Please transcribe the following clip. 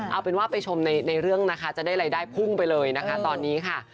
เอาเป็นว่าไปชมในเรื่องนะคะจะได้รายได้พุ่งไปเลยนะคะตอนนี้ค่ะ